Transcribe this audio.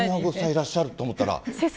秋篠宮さまいらっしゃると思ったら。